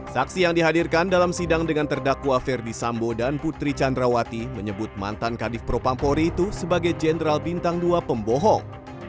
saksi yang dihadirkan dalam sidang dengan terdakwa ferdi sambo dan putri candrawati menyebut mantan kadif propampori itu sebagai jenderal bintang dua pembohong